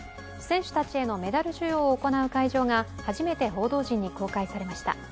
選手たちへのメダル授与を行う会場が初めて報道陣に公開されました。